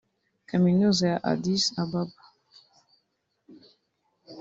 Kaminuza ya Addis Ababa